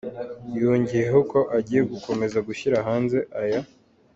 Yongeyeho ko agiye gukomeza gushyira hanze aya